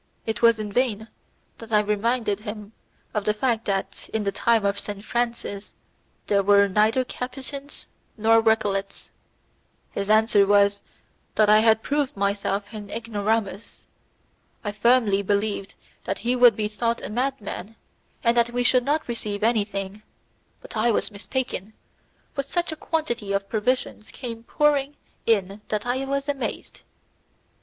It was in vain that I reminded him of the fact that, in the time of Saint Francis, there were neither Capuchins nor Recollets. His answer was that I had proved myself an ignoramus. I firmly believed that he would be thought a madman, and that we should not receive anything, but I was mistaken, for such a quantity of provisions came pouring in that I was amazed.